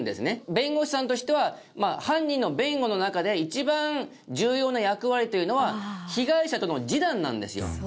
弁護士さんとしては犯人の弁護の中で一番重要な役割というのは被害者との示談なんですよ。